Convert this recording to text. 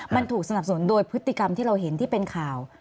มันถูกสนับสนุนโดยพฤติกรรมที่เราเห็นที่เป็นข่าว